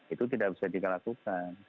itu tidak bisa dilakukan